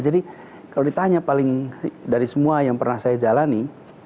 jadi kalau ditanya paling dari semua yang pernah saya jalani